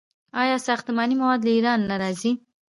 آیا ساختماني مواد له ایران نه راځي؟